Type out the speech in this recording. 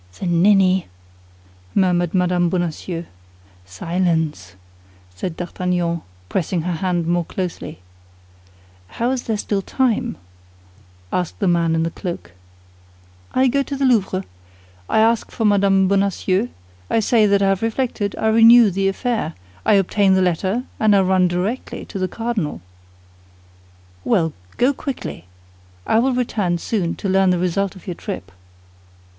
"The ninny!" murmured Mme. Bonacieux. "Silence!" said D'Artagnan, pressing her hand more closely. "How is there still time?" asked the man in the cloak. "I go to the Louvre; I ask for Mme. Bonacieux; I say that I have reflected; I renew the affair; I obtain the letter, and I run directly to the cardinal." "Well, go quickly! I will return soon to learn the result of your trip."